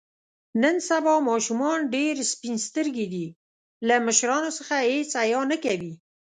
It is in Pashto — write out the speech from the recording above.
نن سبا ماشومان ډېر سپین سترګي دي. له مشرانو څخه هېڅ حیا نه کوي.